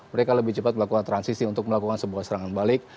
mereka lebih cepat melakukan transisi untuk melakukan sebuah serangan balik